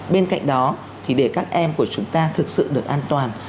bên cạnh đó thì để các em của chúng ta thực sự được an toàn